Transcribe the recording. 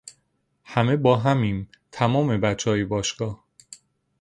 همه باهمیم تمام بچههای باشگاه